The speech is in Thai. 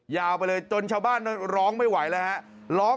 ยาวไปเลยจนชาวบ้านนั้นร้องไม่ไหวแล้วฮะ